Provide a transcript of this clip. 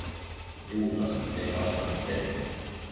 Juutas ei vastannut heti.